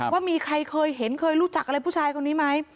ว่ามีใครเคยเห็นเคยรู้จักอะไรผู้ชายคนนี้ไหม